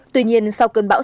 tuy nhiên sau cơn bão